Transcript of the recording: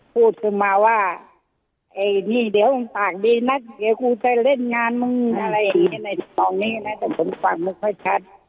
พูดถึงมาว่าไอ้นี่เดี๋ยวฝากดีนักเดี๋ยวกูจะเล่นงานมึงอะไรอย่างเงี้ยในชี้ตรงนี้นะแต่ผมฝากมันค่อยชัด